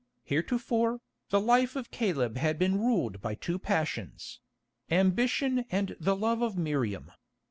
Heretofore, the life of Caleb had been ruled by two passions—ambition and the love of Miriam.